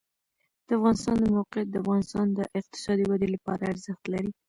د افغانستان د موقعیت د افغانستان د اقتصادي ودې لپاره ارزښت لري.